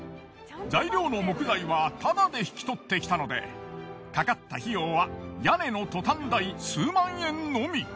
材料の木材はタダで引き取ってきたのでかかった費用は屋根のトタン代数万円のみ。